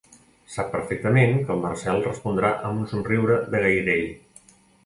Sap perfectament que el Marcel respondrà amb un somriure de gairell.